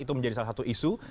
itu menjadi salah satu isu